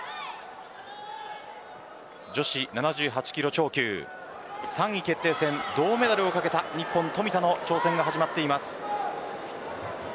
女子７８キロ超級３位決定戦、銅メダルを懸けた日本、冨田の挑戦が始まっています。